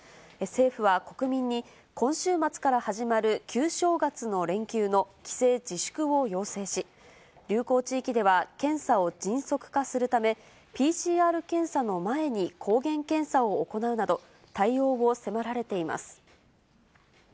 政府は国民に、今週末から始まる旧正月の連休の帰省自粛を要請し、流行地域では検査を迅速化するため、ＰＣＲ検査の前に抗原検査を行うなど、対応を迫られています。